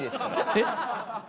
えっ？